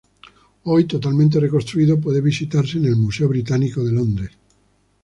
Hoy, totalmente reconstruido, puede visitarse en el Museo Británico de Londres.